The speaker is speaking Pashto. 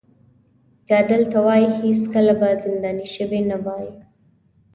که دلته وای هېڅکله به زنداني شوی نه وای.